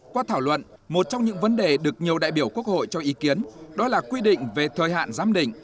qua thảo luận một trong những vấn đề được nhiều đại biểu quốc hội cho ý kiến đó là quy định về thời hạn giám định